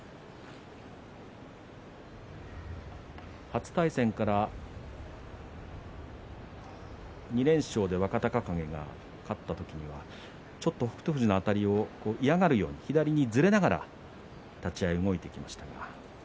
初対戦から２連勝で若隆景が勝った時はちょっと北勝富士のあたりを嫌がるように左にずれながら立ち合い、動いてきました。